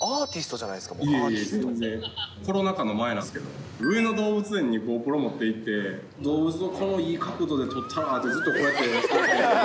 いえいえ、全然、コロナ禍の前なんて、上野動物園にゴープロ持っていって、動物をこのいい角度で撮ったろうって、ずっとこうやって。